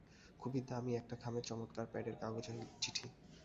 খুবই দামী একটা খামে চমৎকার প্যাডের কাগজে চিঠি।